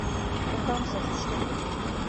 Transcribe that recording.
އެކައުންޓްސް އެސިސްޓަންޓް